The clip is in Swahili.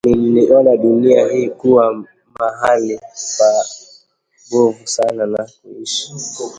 Niliona dunia hii kuwa mahali pabovu sana na kuishi